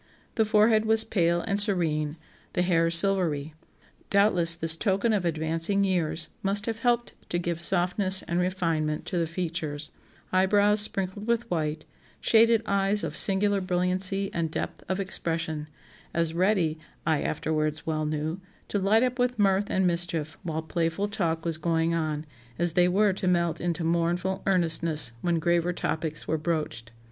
The forehead was pale and serene, the hair silvery; doubtless this token of advancing years must have helped to give softness and refinement to the features; eyebrows, sprinkled with white, shaded eyes of singular brilliancy and depth of expression, as ready (I afterwards well knew) to light up with mirth and mischief while playful talk was going on, as they were to melt into mournful earnestness when graver topics were broached.